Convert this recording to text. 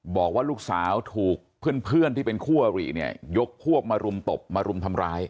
บอกว่าลูกสาวถูกเพื่อนที่เป็นคู่อริเนี่ยยกพวกมารุมตบมารุมทำร้าย